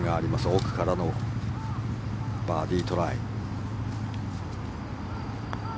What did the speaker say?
奥からのバーディートライ。